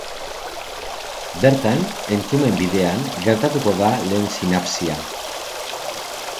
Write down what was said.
Bertan, entzumen bidean gertatuko da lehen sinapsia.